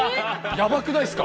やばくないすか？